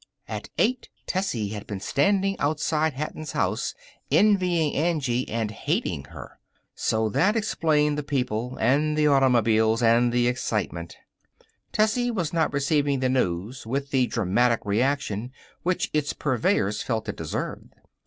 At eight Tessie had been standing outside Hatton's house, envying Angie and hating her. So that explained the people, and the automobiles, and the excitement. Tessie was not receiving the news with the dramatic reaction which its purveyors felt it deserved.